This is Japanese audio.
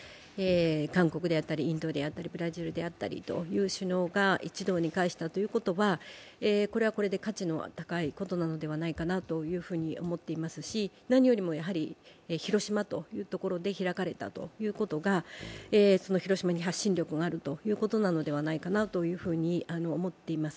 韓国であったり、インドであったり、ブラジルであったりという首脳が一堂に会したということはこれはこれで価値の高いことなのではないかなと思っていますし、なによりも広島というところで開かれたということが広島に発信力があるということなのではないのかなと思っています。